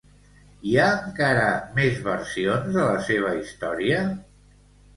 Hi ha encara més versions de la seva història?